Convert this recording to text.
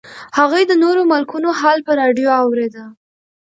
هغې د نورو ملکونو حال په راډیو اورېده